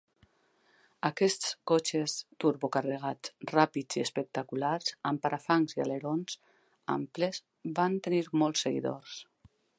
Aquests cotxes turbocarregats ràpids i espectaculars amb parafangs i alerons amples van tenir molts seguidors.